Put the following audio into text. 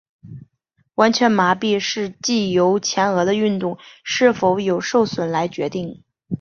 完全麻痹是藉由前额的运动是否有受损来决定。